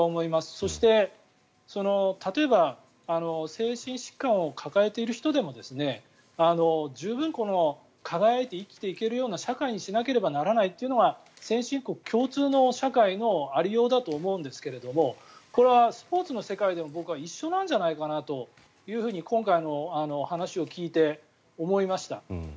そして、例えば精神疾患を抱えている人でも十分輝いて生きていけるような社会にしなければならないというのが先進国共通の社会の有りようだと思うんですけどもこれはスポーツの世界でも僕は一緒なんじゃないかなと今回の話を聞いて思いました。